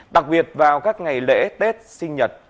đặc biệt vào các ngày lễ tết sinh nhật